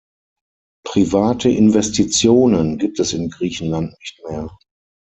Private Investitionen gibt es in Griechenland nicht mehr.